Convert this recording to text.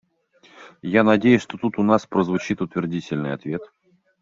Я надеюсь, что тут у нас прозвучит утвердительный ответ.